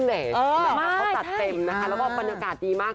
เขาตัดเต็มนะคะแล้วก็บรรยากาศดีมาก